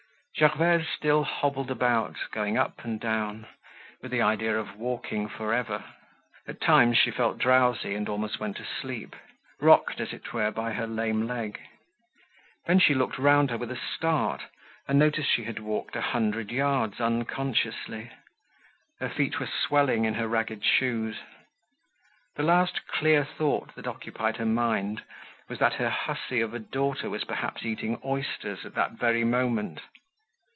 Gervaise still hobbled about, going up and down, with the idea of walking forever. At times, she felt drowsy and almost went to sleep, rocked, as it were, by her lame leg; then she looked round her with a start, and noticed she had walked a hundred yards unconsciously. Her feet were swelling in her ragged shoes. The last clear thought that occupied her mind was that her hussy of a daughter was perhaps eating oysters at that very moment.